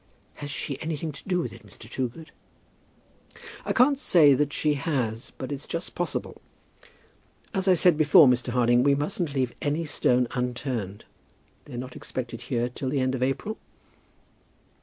"Has she anything to do with it, Mr. Toogood?" "I can't quite say that she has, but it's just possible. As I said before, Mr. Harding, we mustn't leave a stone unturned. They're not expected here till the end of April?"